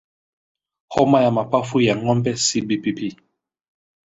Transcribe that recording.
Homa ya Mapafu ya Ng'ombe CBPP